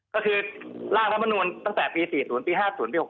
ก็คือร่างพระมณวลตั้งแต่ปี๔๐ปี๕๐ปี๖๐นะครับ